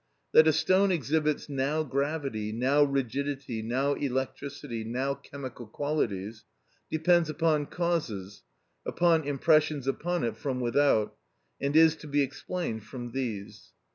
That a stone exhibits now gravity, now rigidity, now electricity, now chemical qualities, depends upon causes, upon impressions upon it from without, and is to be explained from these.